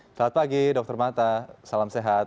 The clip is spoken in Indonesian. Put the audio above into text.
selamat pagi dr mata salam sehat